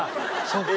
そっか。